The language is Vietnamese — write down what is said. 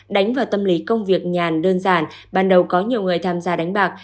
đánh vào tâm lý công việc nhàn đơn giản ban đầu có nhiều người tham gia đánh bạc